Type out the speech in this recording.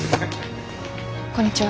こんにちは。